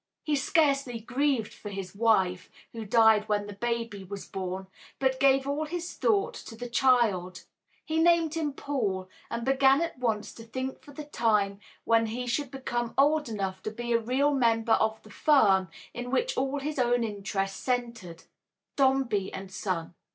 He scarcely grieved for his wife, who died when the baby was born, but gave all his thought to the child. He named him Paul, and began at once to long for the time when he should become old enough to be a real member of the firm in which all his own interest centered Dombey and Son.